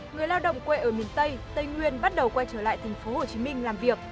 người lao động quê ở miền tây tây nguyên bắt đầu quay trở lại thành phố hồ chí minh làm việc